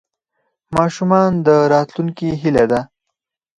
ماشومان د راتلونکي هیله ده.